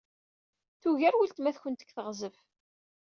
Tugar weltma-twen deg teɣzef.